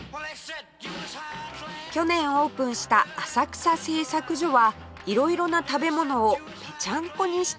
去年オープンした浅草製作所は色々な食べ物をぺちゃんこにして提供